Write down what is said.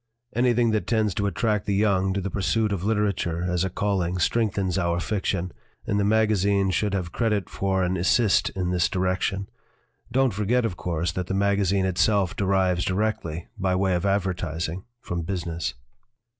Anything that tends to attract the young to the pursuit of literature as a calling strengthens our fiction, and the magazine should have credit for an 'assist ' in this direction. Don't forget, of course, that the magazine itself derives directly, by way of advertising, from business."